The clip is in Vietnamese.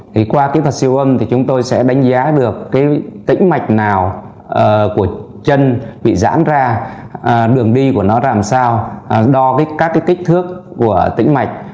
thì qua kỹ thuật siêu âm thì chúng tôi sẽ đánh giá được tĩnh mạch nào của chân bị rãn ra đường đi của nó làm sao đo các kích thước của tĩnh mạch